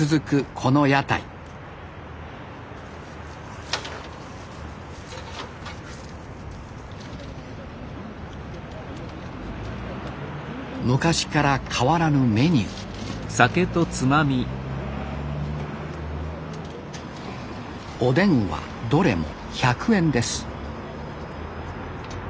この屋台昔から変わらぬメニューおでんはどれも１００円です